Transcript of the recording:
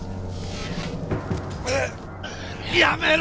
やめろ！！